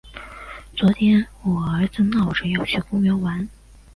昨天我儿子闹着要去公园玩。